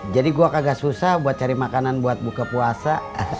jadi gua agak susah buat cari makanan buat buka puasa